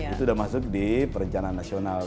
itu sudah masuk di perencanaan nasional